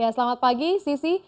selamat pagi sisi